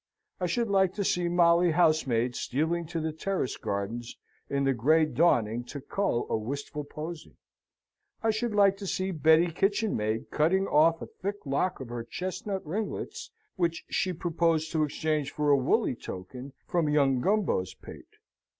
I should like to see Molly housemaid stealing to the terrace gardens in the grey dawning to cull a wistful posy. I should like to see Betty kitchenmaid cutting off a thick lock of her chestnut ringlets which she proposed to exchange for a woolly token from young Gumbo's pate.